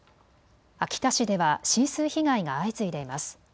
秋田市では浸水被害が相次いでいます。